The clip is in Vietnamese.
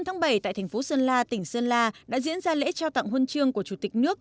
năm tháng bảy tại thành phố sơn la tỉnh sơn la đã diễn ra lễ trao tặng hôn trương của chủ tịch nước